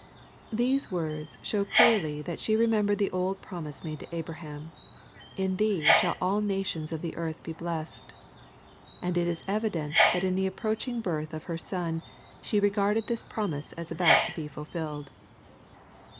'' These words show clearly that she remembered the old promise made to Abraham, ^' In thee shall all nations of the earth be blessed." And it is evident that in the approaching birth of her Son she regarded this promise as about to be fulfilled.